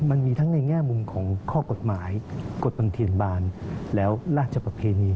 มันมีทั้งในแง่มุมของข้อกฎหมายกฎบันเทียนบานแล้วราชประเพณี